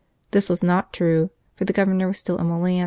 This was not true, for the Governor was still in Milan.